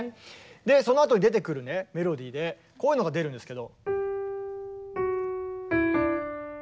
そのあとに出てくるねメロディーでこういうのが出るんですけど。